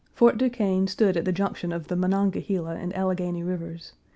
Fort Duquesne stood at the junction of the Monongahela and Alleghany Rivers.